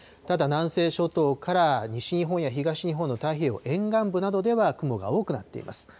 ただ、南西諸島から西日本や東日本の太平洋沿岸部などでは雲が多くなっています。